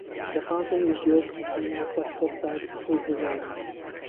The fountain is built in Neoclassical style with basalt.